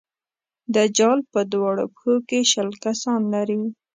دجال په دواړو پښو کې شل کسان لري.